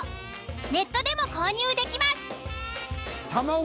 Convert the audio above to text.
ネットでも購入できます。